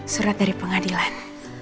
surat dari pengadilan